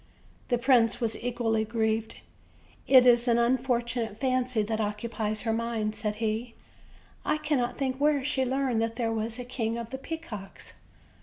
The prince was equally grieved. "It is an unfortunate fancy that occupies her mind," said he; "I cannot think where she learned that there was a King of the Pea cocks."